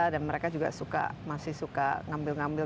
dan mereka juga suka masih suka ngambil ngambil